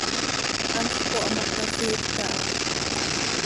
Anxö pohamoc ta, siifp caha.